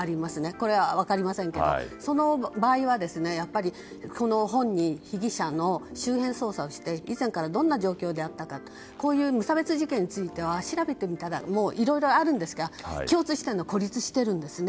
これは分かりませんけどその場合は本人、被疑者の周辺捜査をして以前からどんな状況であったかこういう無差別事件は調べてみたらいろいろあるんですが共通しているのは孤立しているんですね。